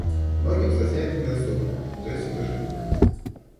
Многим статья эта недоступна, то есть выше их.